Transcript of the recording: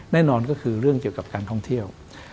แน่นอนก็คือเรื่องเกี่ยวกับการท่องเที่ยว